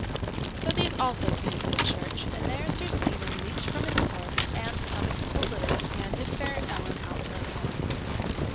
So these also came to the church, and there Sir Stephen leaped from his horse and, coming to the litter, handed fair Ellen out therefrom.